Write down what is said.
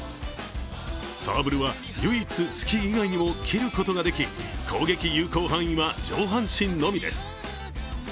サーブルは唯一、突き以外にも斬ることができ、攻撃有効範囲は上半身のみです。